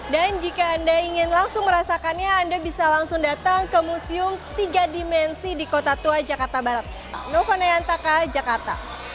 dan jika anda ingin langsung merasakannya anda bisa langsung datang ke museum tiga dimensi di kota tua jakarta barat